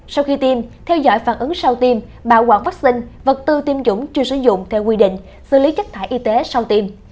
sau khi tiêm theo dõi phản ứng sau tiêm bảo quản vaccine vật tư tiêm chủng chưa sử dụng theo quy định xử lý chất thải y tế sau tiêm